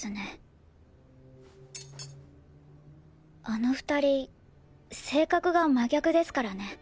あの２人性格が真逆ですからね。